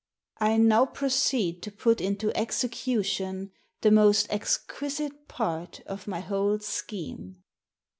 "I now proceed to put into execution the most exquisite part of my whole scheme.